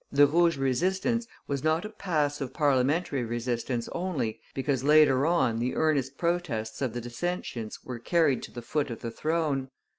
The Rouge resistance was not a passive parliamentary resistance only, because, later on, the earnest protests of the dissentients were carried to the foot of the throne.